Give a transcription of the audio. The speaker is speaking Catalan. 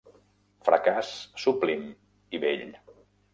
Fracàs sublim i bell.